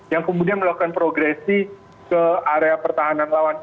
yang kemudian melakukan progresi ke area pertahanan lawan